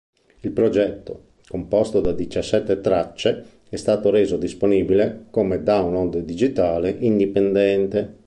Il progetto, composto da diciassette tracce, è stato reso disponibile come download digitale indipendente.